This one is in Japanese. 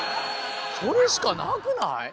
それしかなくない？